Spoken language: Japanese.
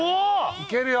いけるよ。